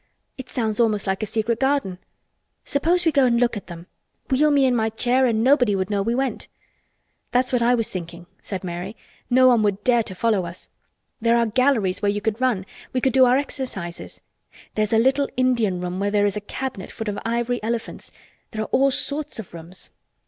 "It sounds almost like a secret garden. Suppose we go and look at them. Wheel me in my chair and nobody would know we went." "That's what I was thinking," said Mary. "No one would dare to follow us. There are galleries where you could run. We could do our exercises. There is a little Indian room where there is a cabinet full of ivory elephants. There are all sorts of rooms."